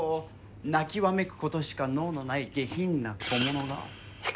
泣きわめくことしか能のない下品な小物が。